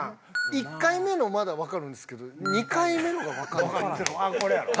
１回目のまだわかるんですけど２回目のがわからない。